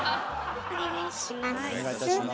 お願いします。